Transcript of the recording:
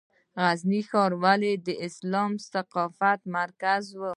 غزني ښار ولې د اسلامي ثقافت مرکز و؟